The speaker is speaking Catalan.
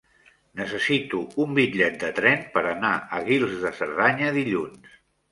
Necessito un bitllet de tren per anar a Guils de Cerdanya dilluns.